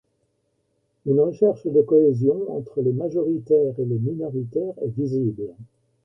Une recherche de cohésion entre les majoritaires et les minoritaires est visible.